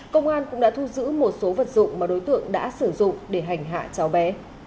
công an cũng đã thu giữ một số vật dụng mà đối tượng đã sử dụng để hành hạ cháu bé